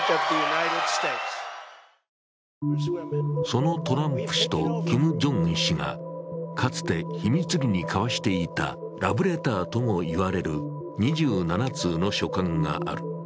そのトランプ氏とキム・ジョンウン氏がかつて秘密裏に交わしていたラブレターとも言われる２７通の書簡がある。